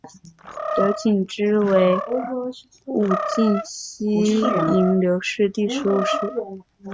刘谨之为武进西营刘氏第十五世。